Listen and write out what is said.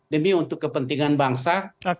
demi untuk kepentingan bangsa